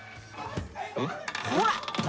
ほら！